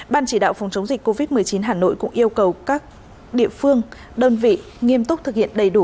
ban chỉ đạo phòng chống dịch covid một mươi chín hà nội cũng yêu cầu các địa phương đơn vị nghiêm túc thực hiện đầy đủ